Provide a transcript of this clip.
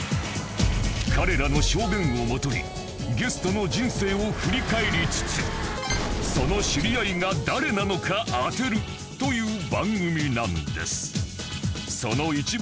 彼らの証言をもとにゲストの人生を振り返りつつその知り合いが誰なのか当てるという番組なんです